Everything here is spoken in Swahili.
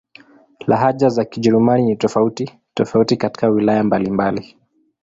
Lahaja za Kijerumani ni tofauti-tofauti katika wilaya mbalimbali.